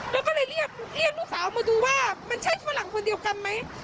แล้วก็เลยเรียกเรียกลูกสาวมาดูว่ามันใช่ฝรั่งคนเดียวกันไหม